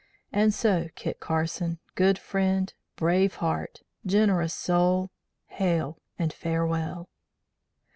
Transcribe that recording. And so, Kit Carson, good friend, brave heart, generous soul, hail and farewell!